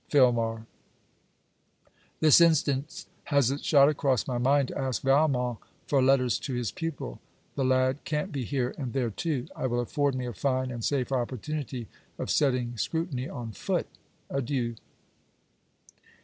FILMAR This instant has it shot across my mind to ask Valmont for letters to his pupil. The lad can't be here and there too. It will afford me a fine and safe opportunity of setting scrutiny on foot. Adieu.